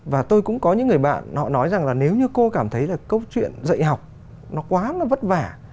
và tôi cũng có những người bạn họ nói rằng là nếu như cô cảm thấy là câu chuyện dạy học nó quá nó vất vả